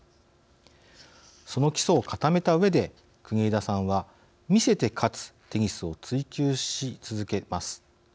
その基礎を固めたうえで国枝さんは“魅せて勝つ”テニスを追及し続けます。